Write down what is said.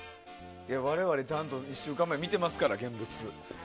我々、ちゃんと１週間前、現物見てますから。